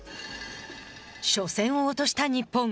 初戦を落とした日本。